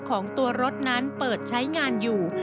ของตัวรถนั้นเปิดใช้งานอยู่